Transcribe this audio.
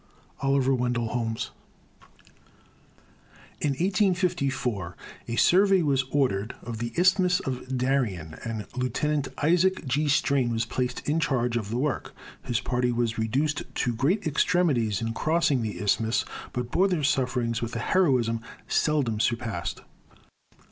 OLIVER WENDELL HOLMES. In 1854 a survey was ordered of the Isthmus of Darien, and Lieutenant Isaac G. Strain was placed in charge of the work. His party was reduced to great extremities in crossing the isthmus, but bore their sufferings with a heroism seldom surpassed.